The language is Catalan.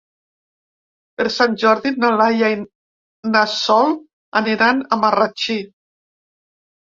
Per Sant Jordi na Laia i na Sol aniran a Marratxí.